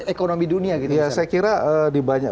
ekonomi dunia saya kira